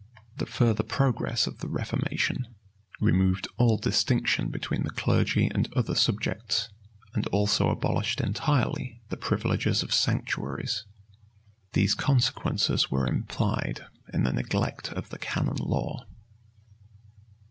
[] The further progress of the reformation removed all distinction between the clergy and other subjects, and also abolished entirely the privileges of sanctuaries. These consequences were implied in the neglect of the canon law.